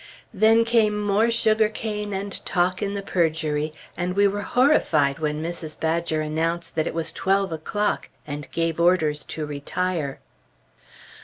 Then came more sugar cane and talk in the purgery, and we were horrified when Mrs. Badger announced that it was twelve o'clock, and gave orders to retire.